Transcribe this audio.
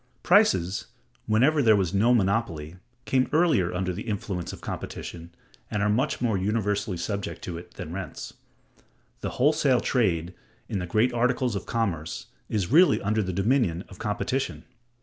Prices, whenever there was no monopoly, came earlier under the influence of competition, and are much more universally subject to it, than rents. The wholesale trade, in the great articles of commerce, is really under the dominion of competition.